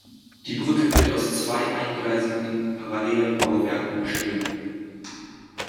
Die Brücke wird aus zwei eingleisigen, parallelen Bauwerken bestehen.